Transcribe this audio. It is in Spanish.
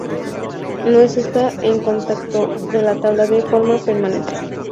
No se está en contacto con la tabla de forma permanente.